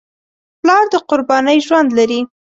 پلار د قربانۍ ژوند لري.